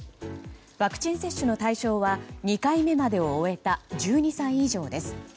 ワクチン接種の対象は２回目までを終えた１２歳以上です。